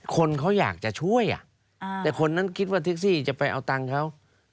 คนเขาอยากจะช่วยแต่คนนั้นคิดว่าแท็กซี่จะไปเอาตังค์เขา